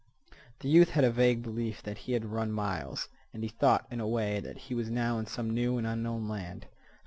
The youth had a vague belief that he had run miles, and he thought, in a way, that he was now in some new and unknown land.